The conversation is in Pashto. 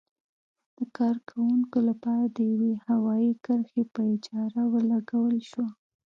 د کارکوونکو لپاره د یوې هوايي کرښې په اجاره ولګول شوه.